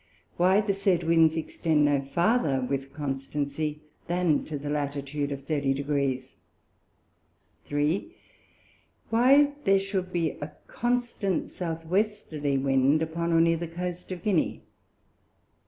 Why the said Winds extend no farther with constancy than to the Latitude of 30 Degrees? 3. Why there should be a constant South Westerly Wind upon and near the Coast of Guinea?